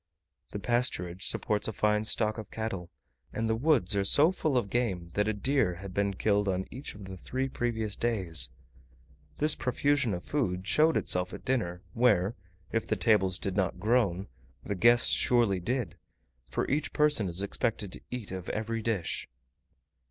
The pasturage supports a fine stock of cattle, and the woods are so full of game that a deer had been killed on each of the three previous days. This profusion of food showed itself at dinner, where, if the tables did not groan, the guests surely did; for each person is expected to eat of every dish.